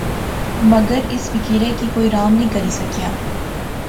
مگر اس فقیرے کی کوئی رام نی کری سکیا